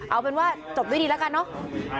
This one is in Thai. เอาเป็นว่าจบด้วยดีแล้วกันเนอะ